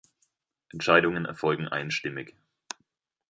Entscheidungen erfolgen einstimmig.